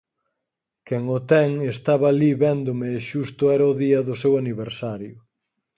Quen o ten estaba alí véndome e xusto era o día do seu aniversario.